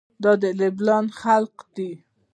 دا د لبنان خلق دي.